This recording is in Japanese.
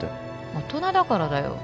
大人だからだよ